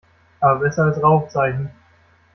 Aber besser als Rauchzeichen.